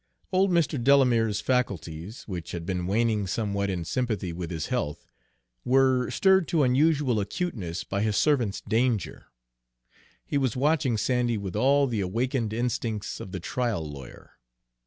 Old Mr. Delamere's faculties, which had been waning somewhat in sympathy with his health, were stirred to unusual acuteness by his servant's danger. He was watching Sandy with all the awakened instincts of the trial lawyer.